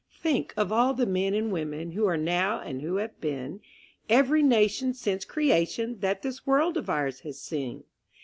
Think of all the men and women Who are now and who have been; Every nation since creation That this world of ours has seen.